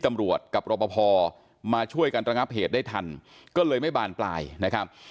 ตำรวจกับรบพอมาช่วยกันระงับเหตุได้ทันก็เลยไม่บานปลายนะครับ